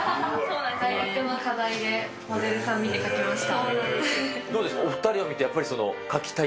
大学の課題でモデルさん見て描きました。